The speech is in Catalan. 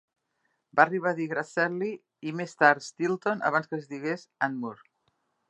Va arribar a dir Grasselli, i més tard Steelton, abans que es digués Anmoore.